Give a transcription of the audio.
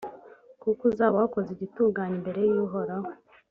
kuko uzaba wakoze igitunganye imbere y’uhoraho.